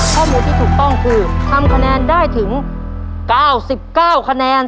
ข้อมูลที่ถูกต้องคือทำคะแนนได้ถึง๙๙คะแนน